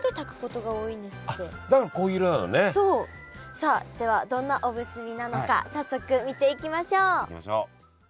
さあではどんなおむすびなのか早速見ていきましょう。